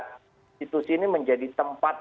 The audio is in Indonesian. institusi ini menjadi tempat